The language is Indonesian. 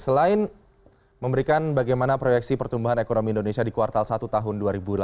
selain memberikan bagaimana proyeksi pertumbuhan ekonomi indonesia di kuartal satu tahun dua ribu delapan belas